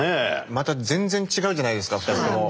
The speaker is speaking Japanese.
また全然違うじゃないですか２つとも。